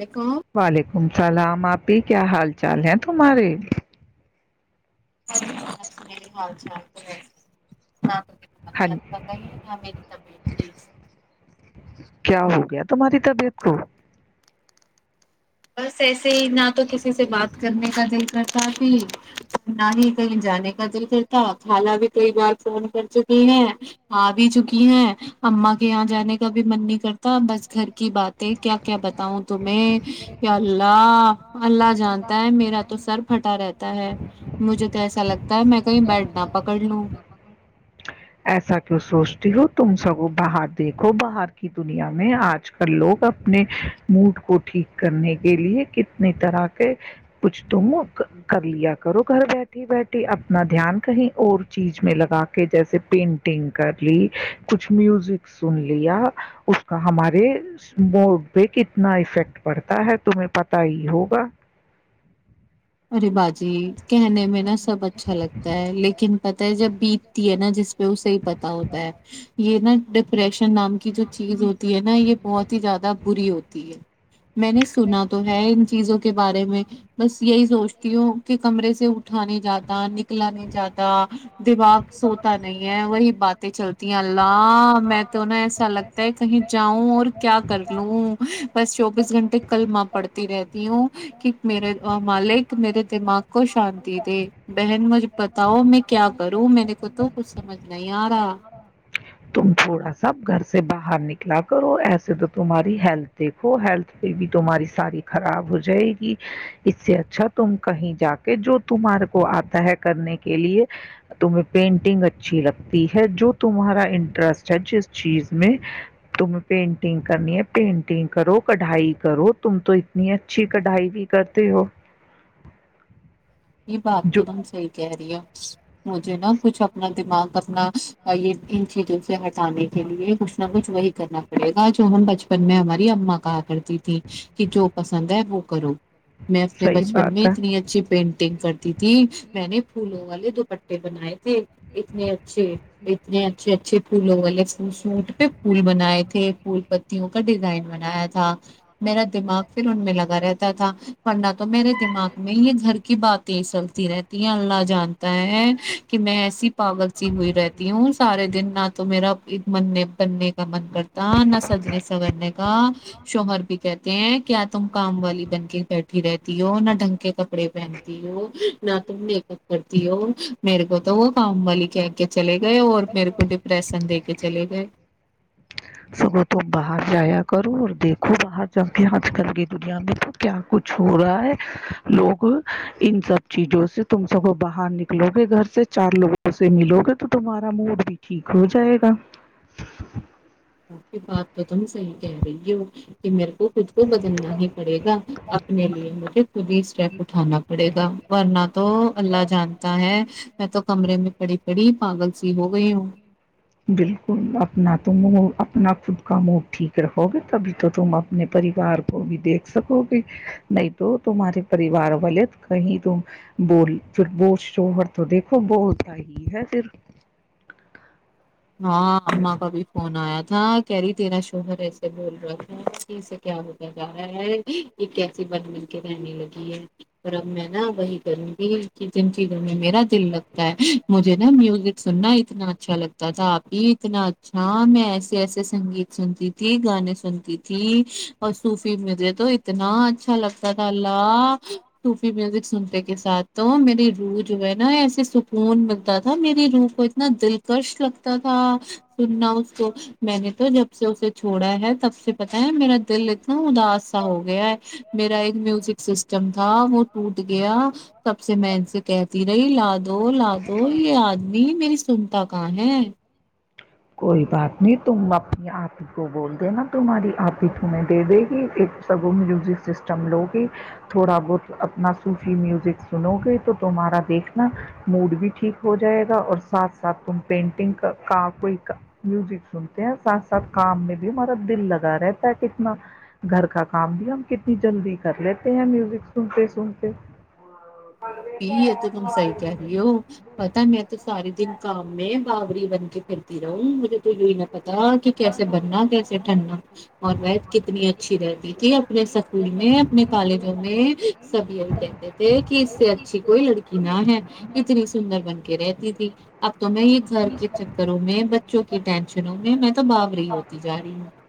دیکھو وعلیکم السلام آپی کیا حال چال ہے تمہارے [inaudible] ا [inaudible] اچھا [inaudible] مت ہاں کہیں نہ میری طبیعت [inaudible] کیا ہو گیا تمہاری طبیعت کو بس ایسے ہی نہ تو کسی سے بات کرنے کا دل کرتا ہے نہ ہی کہیں جانے کا دل کرتا خالا بھی کئی بار فون کر چکی ہیں آ بھی چکی ہیں امما کے یہاں جانے کا بھی من نہیں کرتا بس گھر کی باتیں کیا کیا بتاؤں تمیں یا اللہ اللہ جانتا ہے میرا تو سر پھٹا رہتا ہے مجھے تو ایسا لگتا ہے میں کہیں بیٹ نہ پکڑ لوں ایسا کی سوچتی ہو تم سگو باہر دیکھو باہر کی دنیا میں آج کل لوگ اپنے موڈ کو ٹھیک کرنے کے لیے کتنی طرح کے کچھ تم کر لیا کرو گھر بیٹھی بیٹھی اپنا دھیان کہیں اور چیز میں لگا کے جیسے پینٹنگ کر لی کچھ میوزک سن لیا اس کا ہمارے موڈ پہ کتنا افیکٹ پڑتا ہے تمہیں پت ہی ہوگا ارے بات چیت کہنے میں نا سب اچھا لگتا ہے لیکن پت ہے جب بیتتی ہے نا جس پے اسے ہی پتہ ہوتا ہے یہ نا ڈیپریشن نام کی جو چیز ہوتی ہے نا یہ بہت ہی زیادہ بری ہوتی ہے میں نے سنا تو ہے ان چیزوں کے بارے میں بس یہی سوچتی ہوں کہ کمرے سے اٹھا نہیں جاتا نکلا نہیں جاتا دماغ سوتا نہیں ہے وہی باتیں چلتی ہیں اللہ میں تو نا ایسا لگتا ہے کہیں جاؤں اور کیا کر لوں بس چوبیس گھنٹے کل ماں پڑتی رہتی ہوں کہ میرے مالک میرے دماغ کو شانتی دے بہن مج بتاؤ میں کیا کروں میرے کو تو کچھ سمجھ نہیں آ رہا تم تھوڑا سا گھر سے باہر نکلا کرو ایسے تو تمہاری ہیلتھ دیکھو ہیلتھ پہ بھی تمہاری ساری خراب ہو جائے گی اس سے اچھا تم کہیں جا کے جو تمہارے کو آتا ہے کرنے کے لیے تمہیں پینٹنگ اچھی لگتی ہے جو تمہارا انٹرسٹ ہے جس چیز میں تمیں پینٹنگ کرنی ہے پینٹنگ کرو کڑھائی کرو تم تو اتنی اچھی کڑھائی بھی کرتے ہو یہ بات جو سی [unintelligible] کہ رہی ہ مجھے نا کچھ اپنا دماغ اپنا یہ ان چیزوں سے ہٹانے کے لیے کچھ نہ کچھ وہی کرنا پڑے گا جو ہم بچپن میں ہمارے اما کہا کرتی تیں [unintelligible] کہ جو پسند ہے وہ کرو میں اپنے صحیح بچپن میں بات ہے اتنی اچھی پینٹ ت میں نے پھولوں والے دوپٹے بنائے تھے اتنے اچھے اتنے اچھے اچھے پھولوں والے سوٹ پہ پھول بنائے تھے پھول پتیوں کا ڈیزائن بنایا تھا میرا دماغ پھر ان میں لگا رہتا تھا ورنہ تو میرے دماغ میں یہ گھر کی باتیں چلتی رہتی ہیں اللہ جانتا ہے کہ میں ایسی پاگل سی ہوئی رہتی ہے وہ سارے دن نہ تو میرا مننے بننے کا من کرتا نہ سجنے سگڑنے کا شوہر بھی کہتے ہیں کیا کیا تم کام والی بن کے بیٹھی رہتی ہو نہ ڈھنگ کے کپڑے پہن نہ تو میک اپ کرتی ہو میرے کو تو [unintelligible] ہمب وال کہہ کے چل گئے اور میرے کو ڈپریشن د کے چلے گئے [unintelligible] سگو تم باہر جایا کرو اور دیکھو باہر جا کے آج کل کی دنیا میں تو کیا کچھ ہو رہا ہے لوگ ان سب چیزوں سے تم سگو باہر نکلو گے گھر سے چار لوگوں سے ملو گے تو تمہارا موڈ بھی ٹھیک ہو جائے گا بات تو تم صحی کہہ رہی ہو کہ میرے [unintelligible] وہ خود کو بدلنا ہی پڑے گا اپنے لیے مجھے خود ہی اسٹیپ اٹھانا پڑے گا ورنہ تو اللہ جانتا ہے میں تو کمرے میں پڑی پڑی [unintelligible] پگلسیی ہو گئی ہ بالکل اپنا تم اپنا خود کا موڈ ٹھیک رہو گے تبھی تو تم اپنے پریوار کو بھی دیکھ سکو گے نہیں تو تمہارے پریوار والے کہیں ت بول پھر بوج شوہر تو دیکھو بولتا ہی ہے پھر [unintelligible] ہاں ااں کا بھی فون آیا تھا کہہ رہی تیرا شوہر ایسے بول رہا تھا اسے کیا ہوتا جا رہا ہے یہ کیسی بات مل کے رہنے لگی ہے اور اب میں نا وہی کروں گی کہ جن چیزوں میرا دل لگتا ہے مجھے نا میوز سننا ن چل [unintelligible] تھا آپ ہی اتنا اچھا میں ایسے ایسے سنگیت سنتی تھی گانے سنتی تھی اور صوفی میوزک تو اتنا اچھا لگتا تھا ال صوفی میوزک سنتے کے ساتھ تو میری روح جو ہے نا ایسے سکون ملتا تھا میری روح کو اتنا دلکش لگتا تھا سنا تو میں نے تو جب سے اسے چھوڑا ہے تب سے پتاہ ہے میرا دل اتنا اداس سا ہو گیا ہے میرا ایک میوزک سسٹم تھا وہ ٹوٹ گیا تب سے میں ان سے کہتی رہی لاادو لاادو یہ آدمی میری سنتا کہاں ہے کوئی [unintelligible] بات نہیں تم اپنی آپھی کو بول دینا تمہاری آپھی تمہیں دے دے گی ایک سگو میوزک سسٹم لو گے تھوڑا بہت اپنا سوفی میوزک سنو گے تو تمہارا دیکھنا موڈ بھی ٹھیک ہو جائے گا اور ساتھ ساتھ تم پینٹنگ کا کوئی میوزک سنتے ہیں ساتھ ساتھ کام میں بھی ہمارا دل لگا رہتا ہے کتنا گھر کا کام بھی ہم کتنی جلدی کر لیتے ہیں میوزک سنتے سنتے یہ ہے تو تم صحی کہہ رہی ہو پتا میں تو سارے دن کام ہے باپ [unintelligible] ری بن کے پھرتی رہا ہوں مجھے تولوئی نے پتا کہ کیسے بننا کیسے ٹھننا اور وت کتنی اچھی رہتی تھی اپنے سکول میں اپنے کالجوں میں سب یہی کہتے تھے کہ اس سے کوئی لڑکی نہ ہے اتنی سندر بن کے رہتی تھی اب تو میں یہ گھر کے چکروں میں بچوں کی ٹینشنوں [unintelligible] میں تو بابری ہی ہوتی جا رہی ہوں [unintelligible]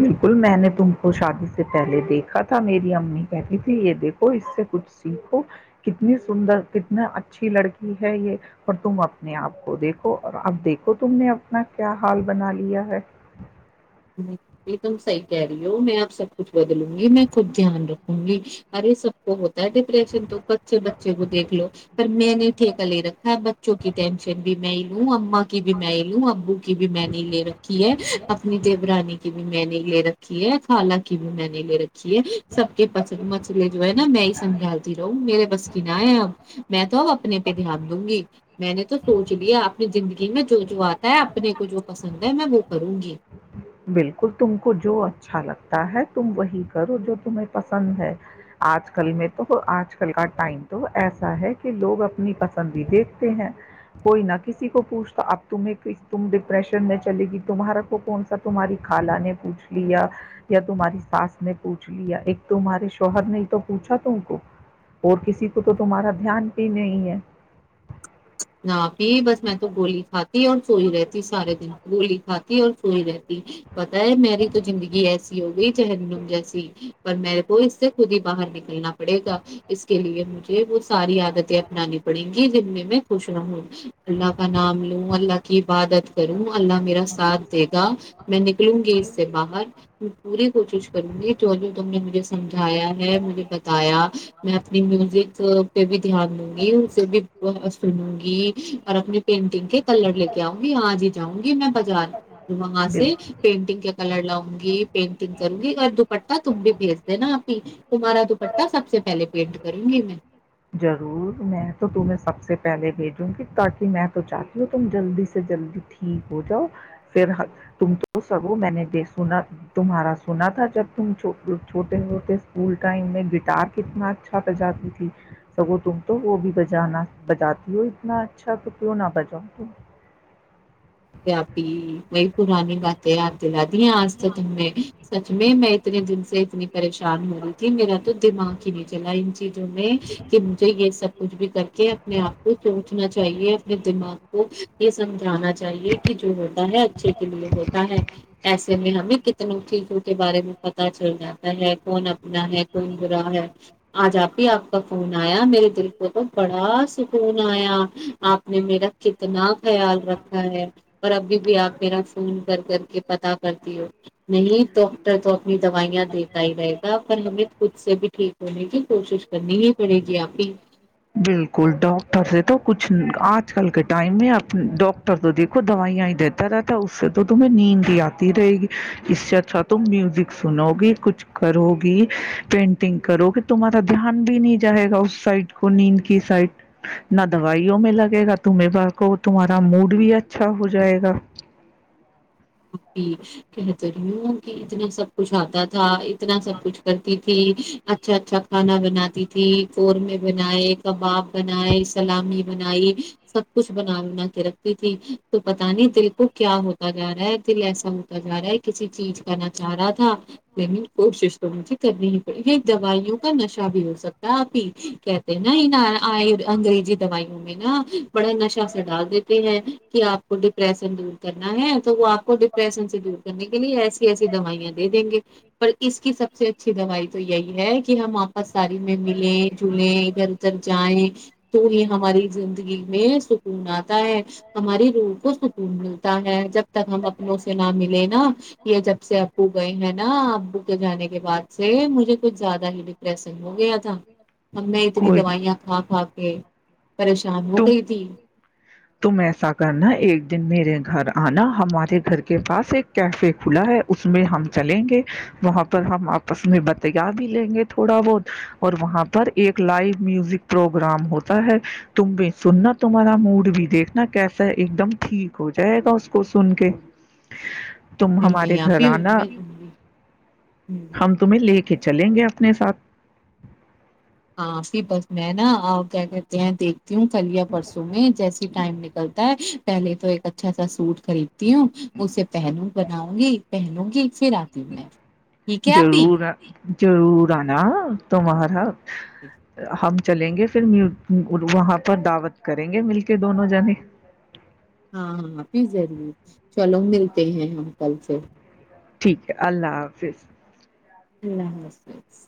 بالکل میں نے تم کو شادی سے پہلے دیکھا تھا میری امی کہتی تھی یہ دیکھو اس سے کچھ سیکھو کتنی سندر کتنا اچھی لڑکی ہے یہ اور تم اپنے آپ کو دیکھو اور اب دیکھو تم نے اپنا کیا حال بنا لیا ہے نہیں تم صحیح کہہ رہی ہو میں آپ سب کچھ [unintelligible] بدلوں گی میں خود دھیان رکھوں گی [unintelligible] ارے سب کو ہوت [unintelligible] ڈپریشن تو بچے بچے کو دیک لو پر میں نے ٹھیکا لے رکھا ہے بچوں کی ٹینشن بھی میں ہی لوں اما کی بھی میں ہی لوں ابو کی بھی میں ہی لے رکھی ہے ا دبرانی کی بھی میں نے لے رکھی ہے خالا کی بھی میں نے لے رکھی [unintelligible] ے سب کے پس مچلے جو ہے نا میں ہی سنجھالتی رہوں میرے بس نا ہے اب میں تو اب اپنے پہ دھیان دوں گی میں نے تو سوچ لیا اپنی زندگی میں جو جو آتا ہے اپنے کو جو پسند ہے میں وہ کروں گی بالکل تم کو جو اچھا لگتا ہے تم وہی کرو جو تمہیں پسند ہے آج کل میں تو آج کل کا ٹائم تو ایسا ہے کہ لوگ اپنی پسند بھی دیکھتے ہیں کوئی نہ کسی کو پوچھ تو اب تمہیں تم ڈپریشن میں چلے گی تمہارک کو کون سا تمہاری خالا نے پوچھ لیا یا تمہاری ساس نے پوچھ لیا ایک تمہارے شوہر نے تو پوچھا تم کو اور کسی کو تو تمہارا دھیان بھی نہیں ہے نہ جی بس میں تو گولی تھا اور سوئی رہتی سارے دن گولی کات کی ہو سوئی رہ ہے پتا ہے میری تو زندگی ایسی ہو گئی چاہے نم جیسی پر میرے کو اس سے خود ہی باہر نکلنا پڑے گا اس کے لیے مجھے وہ ساری عادتیں اپنانی پڑیں گی جن میں میں خوش نہ ہو اللہ کا نام لوں اللہ کی عبادت کروں اللہ میرا ساتھ دے گا میں نکلوں گی اس سے باہر پوری کوشش کروں گی جو جو تم نے مجھے سمجھایا ہے مجھے بتایا میں اپنی میوزک پہ بھی دھیان دوں گی اس سے بھی گی اور اپنی پینٹنگ کے کلر لے کے آؤں گی آج ہی جاؤں گی میں بازار وہاں سے پینٹنگ کے کلر لاؤں گی پینٹنگ کروں گی اگر دوپٹہ تم بھی بھیج د نا آپ ہی تمہارا تو پا سب سے پہے پیٹ کروں گی میں ضرور میں تو تمہیں سب سے پہلے بھیجوں گی تاکہ میں تو چاہتی ہوں تم جلدی سے جلدی ٹھیک ہو جاؤ پھر تم تو سرو میں نے سنا تمہارا سنا تھا جب تم چھوٹے ہوٹے اسکول ٹائم میں گٹار کتنا اچھا پجاتی تھی سگو تم تو وہ بھی بجانا بجاتی ہو اتنا اچھا تو کیوں نہ بجاؤ تم جی آپی وہئی پرانی گاتیں یاد دلادی ہیں آج تو تم نے سچ میںم میں اتنے دن سے اتنی پریشان ہو رہی تھی میرا تو دماغ ہی نہیں چلا ان چیزوں میں کہ مجھے یہ سب کچھ بھی کر کے اپنے آپ کو سوچنا چ چاہیے اپنے دماغ کو یہ سمجھانا چاہیے یہ کہ جو ہوتا ہے اچھے کے لیے ہوتا ہے ایسے میں ہمیں کتنوں چیزوں کے بارے میں پ پتا چل جاتا ہے کون اپنا ہے کون برا ہے آج آپ آپ کا فون آیا میرے دل کو تو بڑا سکون آیا آپ نے میرا کتنا خیال رکھا اور ابھی بھی آپ میرا فون کر کر کے پتا کرتی ہو نہیں ڈاکٹر تو اپنی دوائیاں دیتا ہی رہے گا پر ہمیں خود سے بھی ٹھیک بلیےک بالکل ڈاکاکٹر سے تو کچھ آج کل کے ٹائم میں ڈاکٹر تو دیکھو دوائیاں ہی دیتا رہتا ہے اس سے تو تمہیں نیند ہی آتی رہے گی اس سے اچھا تم میوزک سنو گی کچھ کرو گی پینٹنگ کرو گی تم دھیان بھی نہیں جائے گا اس سائڈ کو نیند کی سائڈ نہ دوائیوں میں لگے گا تمہ کو تمہارا موڈ بھی اچھا ہو جائے گا کہ رہی ہوں کہ اتنا سب کچھ آتا تھا اتنا سب کچھ کرتی تھی اچھا اچھا کھانا بناتی تھی تھی کورم بنائے کباب بنائے سلامی بنائی سب کچھ بنا بنا کے رکھتی تھی تو پتہ نہیں دل کو کیا ہوتا جا رہا ہے ایسا ہوتا جا رہا ہے کسی چیز کا نہ چاہ رہا تھا لیکن کوشش تو مجھے کرنی ہی پڑی دوائیوں کا نشہ بھی ہو سکتا آپ ہی کہتے ہیں نا ان انگریزی دوائیوں میں نا بڑا نشہ س ڈال دیتے ہیں کہ آپ کو ڈپریشن دور کرنا ہے تو وہ آپ کو ڈپریشن سے دور کرنے کے لیے ایسی ایسی دوائیاں دے دیں گے پر اس کی سب سے اچھی دوائی تو یہی ہے کہ ہم واپس ساری میں ملیں جلیں ادھر ادھر جائیں تو یہ ہماری زندگی میں [unintelligible] ج [unintelligible] ہماری روح کو سکون ملتا ہے جب تک ہم ان سے نہ ملے نا یہ جب سے ابو گئے ہیں نا ابو کے جانے کے بعد سے مجھے کچھ زیادہ ہی ڈپریسن ہو گیا تھا ہم میں اتنی دوائیاں کھا کھا کے پریشان ت ہو گئی تھی تم ایسا کرنا ایک دن میرے گھر آنا ہمارے گھر کے پاس ایک کیفے کھلا ہے اس میں ہم چلیں گے وہاں پر ہم آپس میں بتیا بھی لیں گے تھوڑا بہت اور وہاں پر ایک لائو میوزک پروگرام ہوتا ہے تم بھی سننا تمہارا موڈ بھی دیکھنا کیسا ہے ایک دم ٹھیک ہو جائے گا اس کو سن کے [unintelligible] تم نہیں ہمارے نہیں آپ گھر ہی آنا میں ہم تمہیں لے کے چلیں گے اپنے ساتھ ہاں پی بس میں ہے نا اور کیا کہتے ہیں تی ہوں کلیا پرسوں میں جیسی ٹائم نکلتی پہلے تو ایک اچھا سا سوٹ خریدتی ہوں اسے پہنوں بناؤں گی پہنوں گی پھر آتی ہوں میں ٹھیک ہے آپ ہی چرور آنا تمہارا [unintelligible] ہم چلیں گے پھر وہاں پر دعوت کریں گے مل کے دونوں جنے ہاں ہاںپ ضر چلو ملتے ہیں ہ کل سے جھ [unintelligible] ٹھیک ہے اللہ حافظ اللہ حافظ